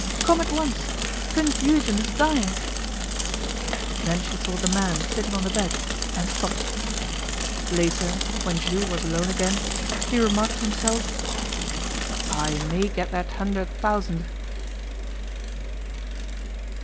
Come at once, Prince Eugen is dying ' Then she saw the man sitting on the bed, and stopped. Later, when Jules was alone again, he remarked to himself, 'I may get that hundred thousand.